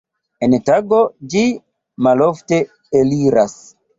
En tago ĝi malofte eliras.